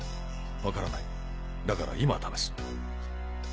分からないだから今試す。